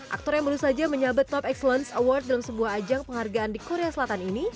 aktor yang baru saja menyabet top excellence award dalam sebuah ajang penghargaan di korea selatan ini